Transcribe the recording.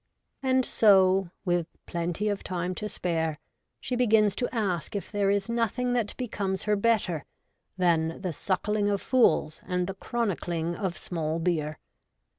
And so, with plenty of time to spare, she begins to ask if there is nothing that becomes her better than the ' suckling of fools and the chronicling of small beer.'